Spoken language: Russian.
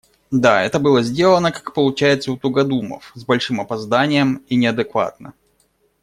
Да, это было сделано, как получается у тугодумов, с большим опозданием и неадекватно.